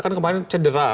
kan kemarin cedera